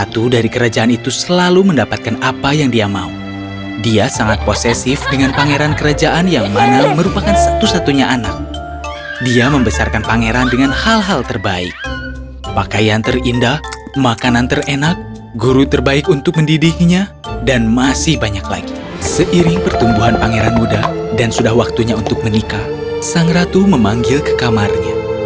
tapi banyak lagi seiring pertumbuhan pangeran muda dan sudah waktunya untuk menikah sang ratu memanggil ke kamarnya